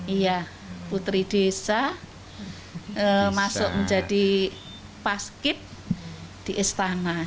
iya putri desa masuk menjadi paskip di istana